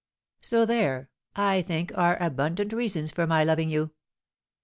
So there, I think, are abundant reasons for my loving you."